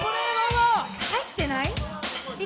入ってない？